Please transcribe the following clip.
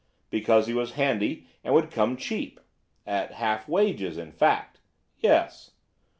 "Because he was handy and would come cheap." "At half wages, in fact." "Yes."